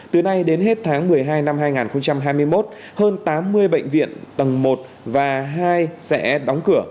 từ nay đến hết tháng một mươi hai năm hai nghìn hai mươi một hơn tám mươi bệnh viện tầng một và hai sẽ đóng cửa